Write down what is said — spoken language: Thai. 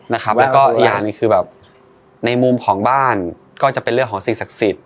แล้วก็อีกอย่างหนึ่งคือแบบในมุมของบ้านก็จะเป็นเรื่องของสิ่งศักดิ์สิทธิ